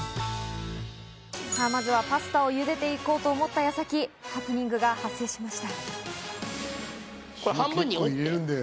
まずはパスタを茹でて行こうと思った矢先、ハプニングが発生しました。